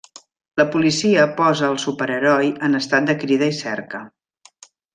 La policia posa al superheroi en estat de crida i cerca.